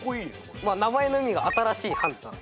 名前の意味が新しいハンター。